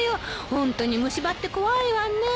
ホントに虫歯って怖いわねえ。